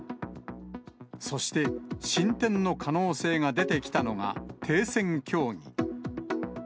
そして、進展の可能性が出てきたのが、停戦協議。